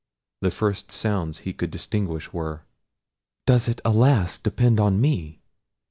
The first sounds he could distinguish were— "Does it, alas! depend on me?